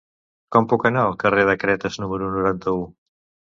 Com puc anar al carrer de Cretes número noranta-u?